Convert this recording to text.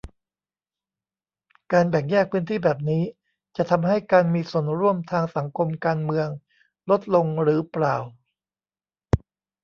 การแบ่งแยกพื้นที่แบบนี้ จะทำให้การมีส่วนร่วมทางสังคมการเมืองลดลงหรือเปล่า